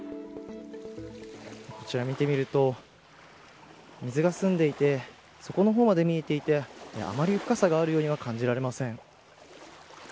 こちら見てみると水が澄んでいて底の方まで見えていてあまり深さがあるようには感じられません。